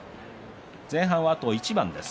前半は、あと一番です。